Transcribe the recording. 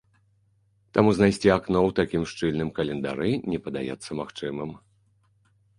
Таму знайсці акно ў такім шчыльным календары не падаецца магчымым.